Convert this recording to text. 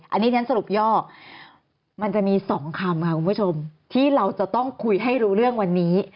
อันนี้ฉันสรุปย่อมันจะมี๒คำค่ะคุณผู้ชมที่เราจะต้องคุยให้รู้เรื่องวันนี้